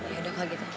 ya udah kak gita